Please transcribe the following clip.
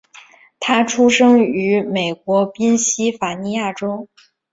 他出生于美国宾夕法尼亚州。